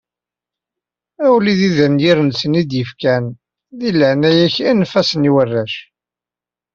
A wlidi d anyir-nsen i d-yefkan, di leεnaya-k anef-asen i warrac.